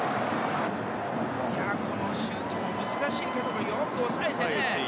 このシュートも難しいけどよく抑えてね。